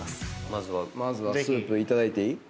まずはスープいただいていい？